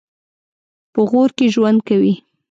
په غور کې ژوند کوي.